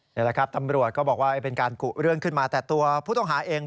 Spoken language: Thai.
นี่แหละครับตำรวจก็บอกว่าเป็นการกุเรื่องขึ้นมาแต่ตัวผู้ต้องหาเอง